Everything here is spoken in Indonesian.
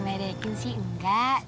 melekin sih enggak